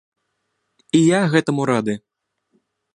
І я гэтаму рады.